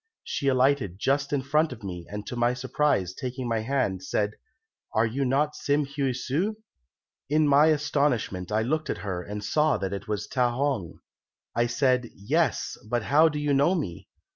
She alighted just in front of me, and to my surprise, taking my hand, said, 'Are you not Sim Heui su?' "In my astonishment I looked at her and saw that it was Ta hong. I said, 'Yes, but how do you know me?'